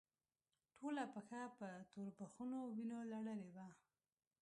ټوله پښه په توربخونو وينو لړلې وه.